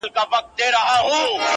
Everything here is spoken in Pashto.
او په هغه ژبه خپلو اورېدونکو -